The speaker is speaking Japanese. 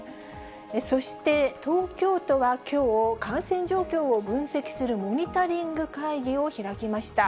そして、東京都はきょう、感染状況を分析するモニタリング会議を開きました。